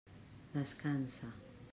Descansa.